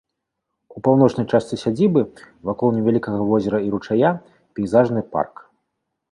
У паўночнай частцы сядзібы вакол невялікага возера і ручая пейзажны парк.